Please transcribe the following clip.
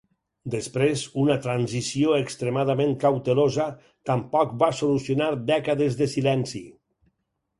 Després, una Transició extremament cautelosa tampoc va solucionar dècades de silenci.